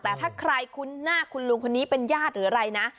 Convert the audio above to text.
แต่ถ้าใครคุ้นหน้าคุณลุงคนนี้เป็นญาติหรืออะไรนะ